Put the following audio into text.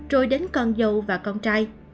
rồi đến con dâu và con trai